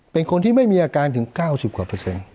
เป็นคนที่ไม่มีอาการถึง๙๐กว่า